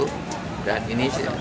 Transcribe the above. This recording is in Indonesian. dan ini sudah hampir setiap kecamatan